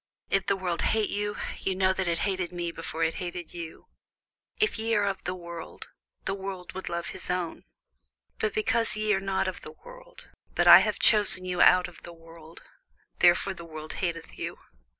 If the world hate you, ye know that it hated me before it hated you. If ye were of the world, the world would love his own: but because ye are not of the world, but I have chosen you out of the world, therefore the world hateth you.